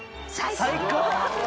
「最高」。